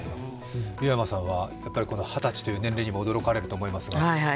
湯山さんはやっぱり二十歳という年齢にも驚かれると思いますが。